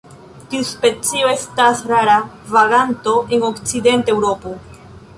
Tiu specio estas rara vaganto en okcidenta Eŭropo.